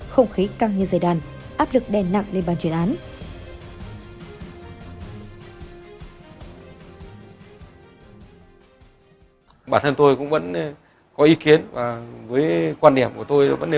không khí căng như giày đàn áp lực đen nặng lên bàn truyền án